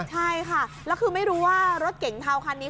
ใช่ค่ะแล้วคือไม่รู้ว่ารถเก๋งเทาคันนี้